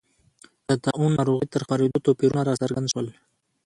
د طاعون ناروغۍ تر خپرېدو توپیرونه راڅرګند شول.